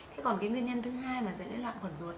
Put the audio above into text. thế còn cái nguyên nhân thứ hai mà dẫn đến loạn quần ruột